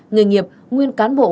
người nghiệp nguyên cán bộ